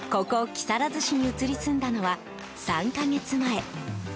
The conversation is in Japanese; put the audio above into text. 木更津市に移り住んだのは３か月前。